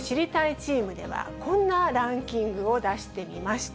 チームでは、こんなランキングを出してみました。